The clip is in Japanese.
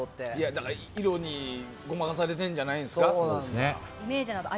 色にごまかされているんじゃないんですか。